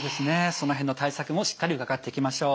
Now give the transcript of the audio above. その辺の対策もしっかり伺っていきましょう。